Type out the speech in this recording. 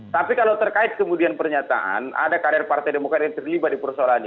tapi kalau terkait kemudian pernyataan ada kader partai demokrat yang terlibat di persoalan ini